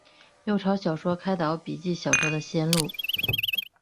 六朝小说开导笔记小说的先路。